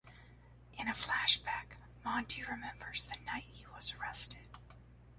In a flashback, Monty remembers the night he was arrested.